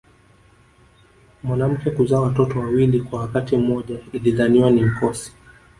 Mwanamke kuzaa watoto wawili kwa wakati mmoja ilidhaniwa ni mkosi